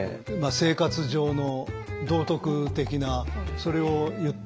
生活上の道徳的なそれを言ってますよね。